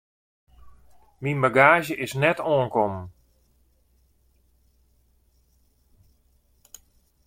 Myn bagaazje is net oankommen.